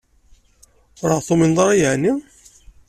Ur ɣ-tumineḍ ara yeɛni?